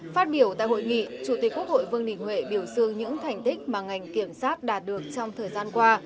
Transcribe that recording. phát biểu tại hội nghị chủ tịch quốc hội vương đình huệ biểu dương những thành tích mà ngành kiểm sát đạt được trong thời gian qua